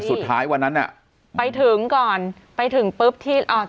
สุดท้ายวันนั้นอ่ะไปถึงก่อนไปถึงปุ๊บที่อ่า